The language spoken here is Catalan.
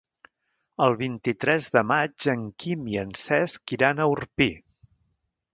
El vint-i-tres de maig en Quim i en Cesc iran a Orpí.